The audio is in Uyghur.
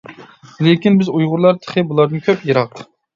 لېكىن بىز ئۇيغۇرلار تېخى بۇلاردىن كۆپ يىراق.